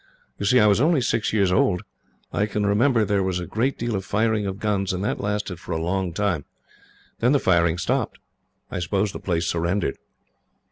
"You see, I was only six years old. I can remember there was a great deal of firing of guns, and that lasted for a long time. Then the firing stopped. I suppose the place surrendered."